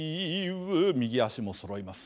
右足もそろえます。